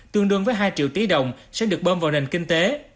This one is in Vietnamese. tương đương với hai triệu tỷ đồng sẽ được bơm vào nền kinh tế